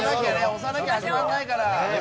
押さなきゃ始まらないから。